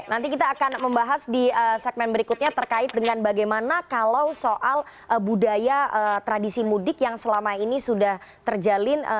nanti kita akan membahas di segmen berikutnya terkait dengan bagaimana kalau soal budaya tradisi mudik yang selama ini sudah terjalin